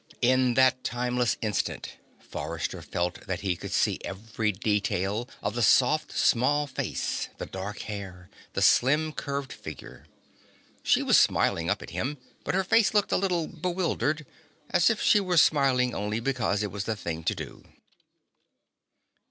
In that timeless instant, Forrester felt that he could see every detail of the soft, small face, the dark hair, the slim, curved figure. She was smiling up at him, but her face looked a little bewildered, as if she were smiling only because it was the thing to do.